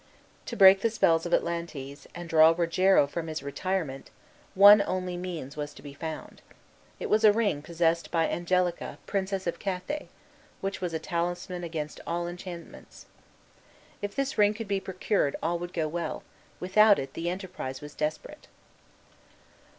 To break the spells of Atlantes, and draw Rogero from his retirement, one only means was to be found. It was a ring possessed by Angelica, Princess of Cathay, which was a talisman against all enchantments. If this ring could be procured all would go well; without it the enterprise was desperate.